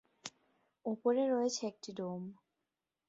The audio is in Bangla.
উপরে রয়েছে একটি ডোম।